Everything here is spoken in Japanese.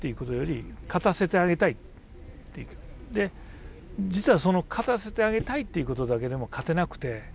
で実はその勝たせてあげたいっていうことだけでも勝てなくて。